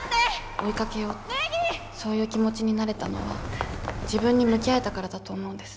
追いかけようってそういう気持ちになれたのは自分に向き合えたからだと思うんです。